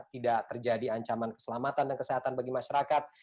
tidak terjadi ancaman keselamatan dan kesehatan bagi masyarakat